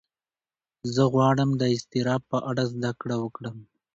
زه غواړم د اضطراب په اړه زده کړه وکړم.